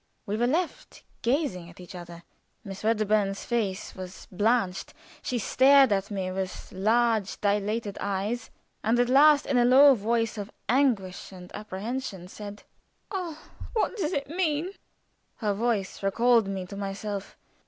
We were left gazing at each other. Miss Wedderburn's face was blanched she stared at me with large dilated eyes, and at last in a low voice of anguish and apprehension said: "Oh, what does it mean?" Her voice recalled me to myself.